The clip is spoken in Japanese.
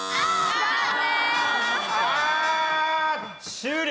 終了。